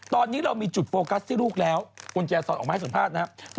ตอนนี้เรามีจุดโฟกัสที่ลูกแล้วกุญแจซอยออกมาให้สัมภาษณ์นะครับ